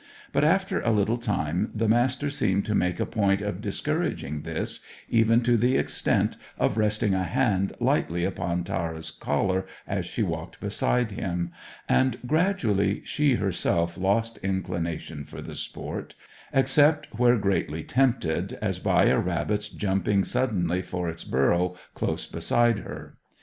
But after a little time the Master seemed to make a point of discouraging this, even to the extent of resting a hand lightly upon Tara's collar as she walked beside him; and, gradually, she herself lost inclination for the sport, except where greatly tempted, as by a rabbit's jumping suddenly for its burrow close beside her.